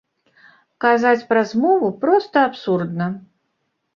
Казаць пра змову проста абсурдна.